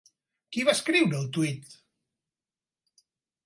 Qui va escriure el tuit?